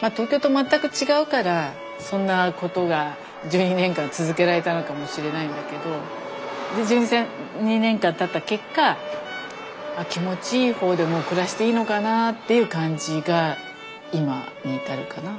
東京と全く違うからそんなことが１２年間続けられたのかもしれないんだけどで１２年間たった結果気持ちいい方でもう暮らしていいのかなっていう感じが今に至るかな。